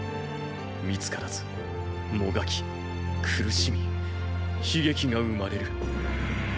見つからずもがき苦しみ悲劇が生まれる。